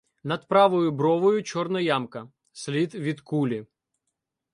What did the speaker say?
Над правою бровою чорна ямка — слід від кулі.